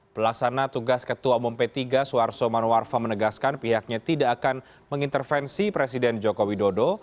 pelaksana tugas ketua umum p tiga suarso manuarfa menegaskan pihaknya tidak akan mengintervensi presiden joko widodo